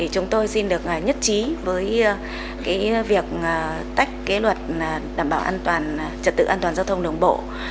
chúng tôi xin được nhất trí với việc tách luật trật tự an toàn giao thông đồng bộ